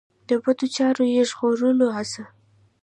د بدو چارو یې ژغورلو هڅه.